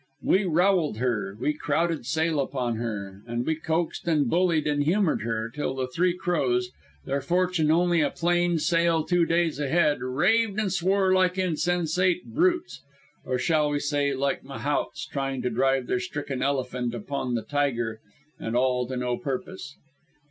We roweled her, and we crowded sail upon her, and we coaxed and bullied and humoured her, till the Three Crows, their fortune only a plain sail two days ahead, raved and swore like insensate brutes, or shall we say like mahouts trying to drive their stricken elephant upon the tiger and all to no purpose.